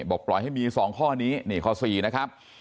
บอกปล่อยให้มี๒ข้อนี้นี่ข้อ๔นะครับ